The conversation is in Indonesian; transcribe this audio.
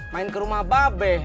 main ke rumah babeh